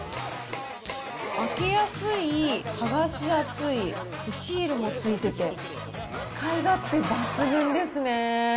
開けやすい、剥がしやすい、シールもついてて、使い勝手抜群ですね。